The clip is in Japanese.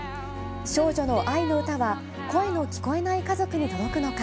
少女の愛の歌は、声の聞こえない家族に届くのか。